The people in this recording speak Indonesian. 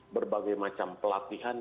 berbagai macam pelatihan